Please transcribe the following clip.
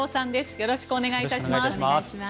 よろしくお願いします。